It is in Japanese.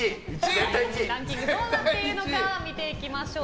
ランキングどうなっているのか見ていきましょう。